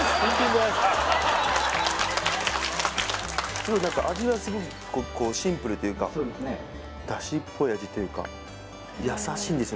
すごい何か味はすごくシンプルというかそうですね出汁っぽい味というか優しいんですよね